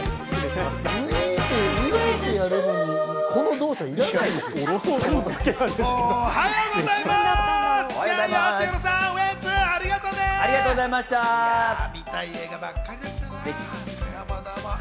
おはようございます！